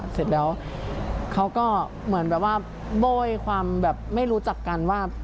เสร็จแล้วเขาก็เหมือนแบบว่าโบ้ยความแบบไม่รู้จักกันว่า